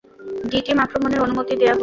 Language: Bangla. ডি-টিম, আক্রমণের অনুমতি দেয়া হলো।